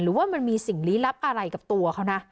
หรือว่ามันมีสิ่งลี้ลับอะไรกับตัวเขานะ